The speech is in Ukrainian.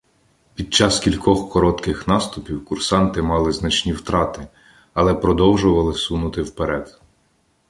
Під час кількох коротких наступів курсанти мали значні втрати, але продовжували сунути вперед.